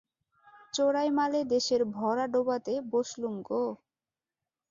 চোরাই মালে দেশের ভরা ডোবাতে বসলুম গো!